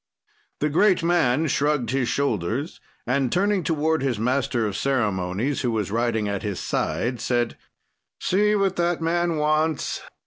"The great man shrugged his shoulders and turning toward his master of ceremonies, who was riding at his side, said: "'See what that man wants.'